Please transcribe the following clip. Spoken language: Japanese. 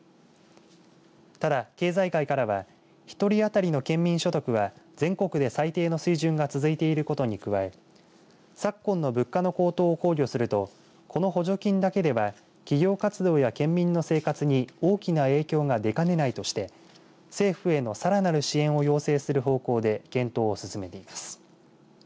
ただ経済界からは１人当たりの県民所得は全国で最低の水準が続いていることに加え昨今の物価の高騰を考慮するとこの補助金だけでは企業活動や県民の生活に大きな影響が出かねないとして政府へのさらなる支援を要請する方向で検討を進めています。